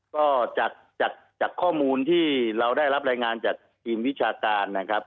ก็จากจากข้อมูลที่เราได้รับรายงานจากทีมวิชาการนะครับ